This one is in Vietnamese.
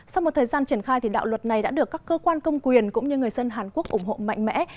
sau một thời gian triển khai thì đạo luật này đã được các cơ quan công quyền cũng như người dân hàn quốc ủng hộ mạnh mẽ